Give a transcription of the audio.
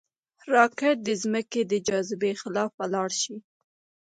راکټ د ځمکې د جاذبې خلاف ولاړ شي